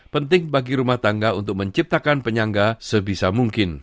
penting bagi rumah tangga untuk menciptakan penyangga sebisa mungkin